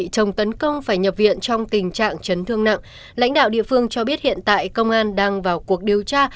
trong tình trạng chấn thương nặng lãnh đạo địa phương cho biết hiện tại công an đang vào cuộc điều tra